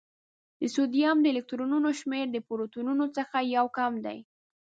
د سوډیم د الکترونونو شمېر د پروتونونو څخه یو کم دی.